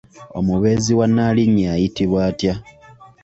Omubeezi wa Nnaalinnya ayitibwa atya?